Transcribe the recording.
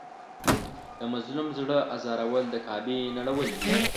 د مظلوم زړه ازارول د کعبې نړول دي.